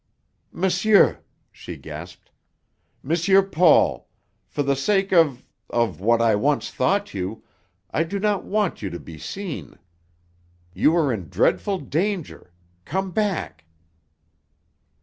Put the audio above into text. "Monsieur!" she gasped. "M. Paul! For the sake of of what I once thought you, I do not want you to be seen. You are in dreadful danger. Come back!"